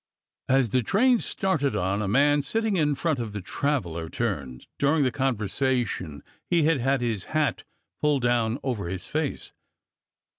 As the train started on, a man sitting in front of the traveler turned. During the conversation he had had his hat pulled down over his face.